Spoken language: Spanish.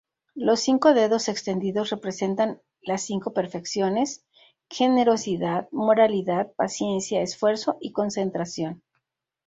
Los cinco dedos extendidos representan las cinco perfecciones: generosidad, moralidad, paciencia, esfuerzo y concentración.